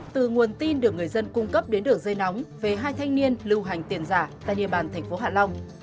từ nguồn tin được người dân cung cấp đến đường dây nóng về hai thanh niên lưu hành tiền giả tại địa bàn thành phố hạ long